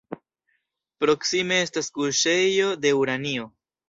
Proksime estas kuŝejo de uranio.